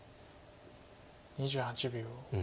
２８秒。